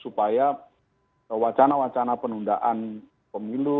supaya wacana wacana penundaan pemilu